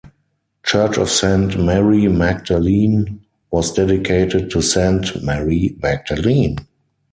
Church of Saint Mary Magdalene was dedicated to Saint Mary Magdalene.